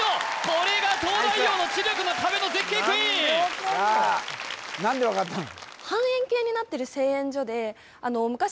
これが東大王の知力の壁の絶景クイーンさあ何で分かったの？